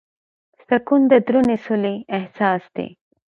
سکون د دروني سولې احساس دی.